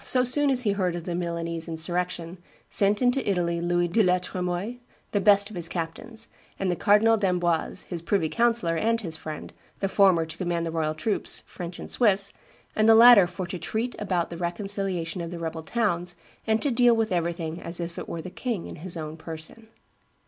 so soon as he heard of the Milanese insurrection, sent into Italy Louis de la Tremoille, the best of his captains, and the Cardinal d'Amboise, his privy councillor and his friend, the former to command the royal troops, French and Swiss, and the latter "for to treat about the reconciliation of the rebel towns, and to deal with everything as if it were the king in his own person."